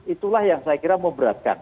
itulah yang saya kira memberatkan